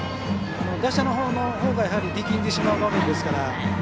打者のほうが力んでしまう場面ですから。